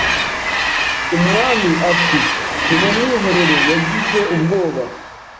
Umwami ati Nimumwihorere yagize ubwoba